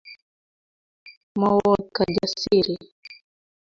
Mowol Kijjasiri